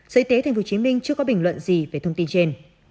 sở y tế tp hcm chưa có bình luận gì về thông tin trên